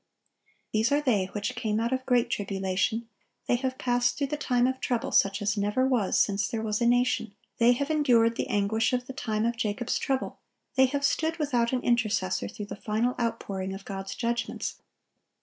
(1123) "These are they which came out of great tribulation;"(1124) they have passed through the time of trouble such as never was since there was a nation; they have endured the anguish of the time of Jacob's trouble; they have stood without an intercessor through the final outpouring of God's judgments.